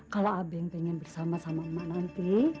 kalau abeng pengen bersama sama emak nanti